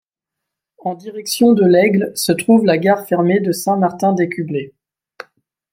En direction de L'Aigle, se trouve la gare fermée de Saint-Martin-d'Écublei.